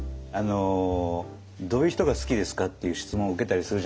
「どういう人が好きですか？」っていう質問を受けたりするじゃないですか。